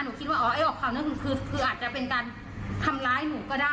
หนูคิดว่าออกข่าวหน้าหนึ่งคืออาจจะเป็นการทำร้ายหนูก็ได้